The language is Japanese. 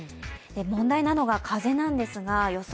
問題なのが風なんですが、予想